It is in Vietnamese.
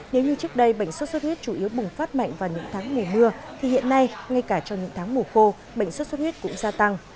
nếu như trước đây bệnh sốt xuất huyết chủ yếu bùng phát mạnh vào những tháng mùa mưa thì hiện nay ngay cả trong những tháng mùa khô bệnh sốt xuất huyết cũng gia tăng